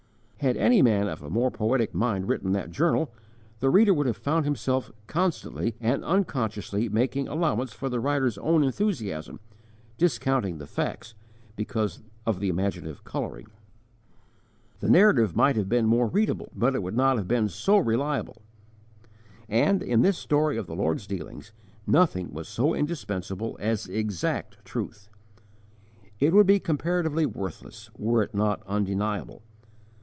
Had any man of a more poetic mind written that journal, the reader would have found himself constantly and unconsciously making allowance for the writer's own enthusiasm, discounting the facts, because of the imaginative colouring. The narrative might have been more readable, but it would not have been so reliable; and, in this story of the Lord's dealings, nothing was so indispensable as exact truth. It would be comparatively worthless, were it not undeniable.